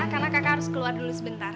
karena kakak harus keluar dulu sebentar